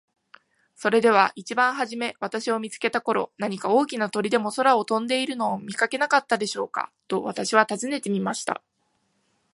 「それでは一番はじめ私を見つけた頃、何か大きな鳥でも空を飛んでいるのを見かけなかったでしょうか。」と私は尋ねてみました。